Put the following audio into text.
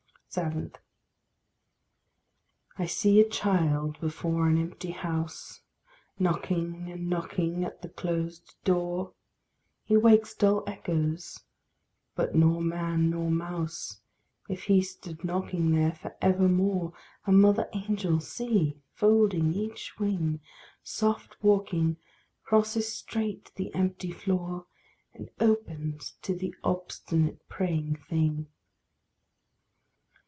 7. I see a child before an empty house, Knocking and knocking at the closed door; He wakes dull echoes but nor man nor mouse, If he stood knocking there for evermore. A mother angel, see! folding each wing, Soft walking, crosses straight the empty floor, And opens to the obstinate praying thing.